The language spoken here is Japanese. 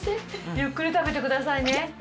ゆっくり食べてくださいね。